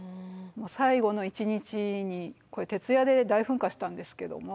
最後の一日にこれ徹夜で大噴火したんですけども。